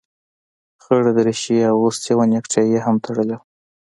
خړه دريشي يې اغوستې وه نيكټايي يې هم تړلې وه.